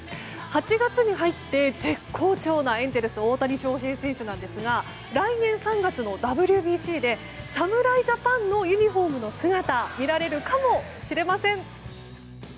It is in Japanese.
８月に入って絶好調なエンゼルス、大谷翔平選手ですが来年３月のＷＢＣで侍ジャパンのユニホームの姿が見られるかもしれません。